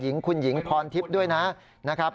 หญิงคุณหญิงพรทิพย์ด้วยนะครับ